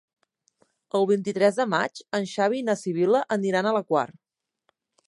El vint-i-tres de maig en Xavi i na Sibil·la aniran a la Quar.